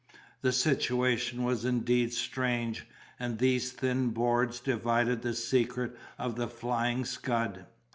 The situation was indeed strange, and these thin boards divided the secret of the Flying Scud.